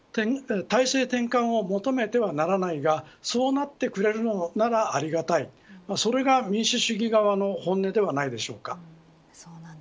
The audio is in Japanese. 体制転換を求めてはならないがそうなってくれるのならありがたいそれが民主主義側の本音ではないでしょうか。